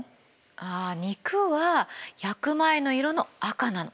あ肉は焼く前の色の赤なの。